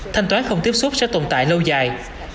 thanh toán không tiếp xúc sẽ tồn tại lâu dài